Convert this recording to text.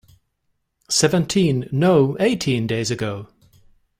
Seventeen, no, eighteen days ago.